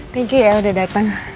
terima kasih sudah datang